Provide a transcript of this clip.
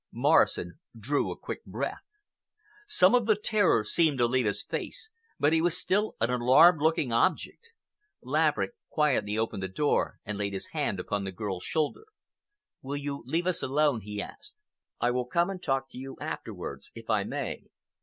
Morrison drew a quick breath. Some part of the terror seemed to leave his face, but he was still an alarming looking object. Laverick quietly opened the door and laid his hand upon the girl's shoulder. "Will you leave us alone?" he asked. "I will come and talk to you afterwards, if I may."